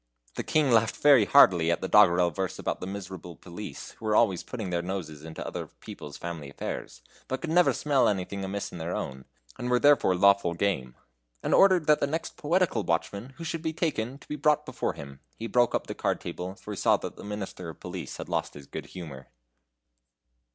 The King laughed very heartily at the doggerel verse about the miserable police, who were always putting their noses into other people's family affairs, but could never smell anything amiss in their own, and were therefore lawful game, and ordered the next poetical watchman who should be taken to be brought before him. He broke up the card table, for he saw that the Minister of Police had lost his good humor.